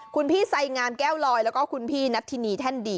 คุณพี่ไสงามแก้วลอยแล้วก็คุณพี่นัทธินีแท่นดี